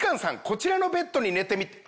こちらのベッドに寝てあれ？